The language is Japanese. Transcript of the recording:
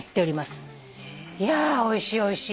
いやおいしいおいしい。